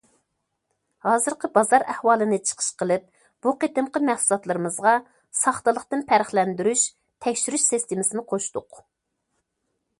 ھازىرقى بازار ئەھۋالىنى چىقىش قىلىپ، بۇ قېتىمقى مەھسۇلاتلىرىمىزغا ساختىلىقتىن پەرقلەندۈرۈش، تەكشۈرۈش سىستېمىسىنى قوشتۇق.